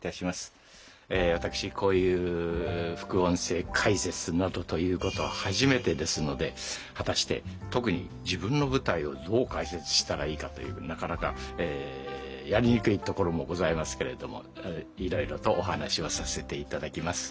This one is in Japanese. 私こういう副音声解説などということは初めてですので果たして特に自分の舞台をどう解説したらいいかというなかなかやりにくいところもございますけれどもいろいろとお話をさせていただきます。